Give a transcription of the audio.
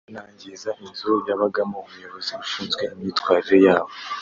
banangiza inzu yabagamo umuyobozi ushinzwe imyitwarire yabo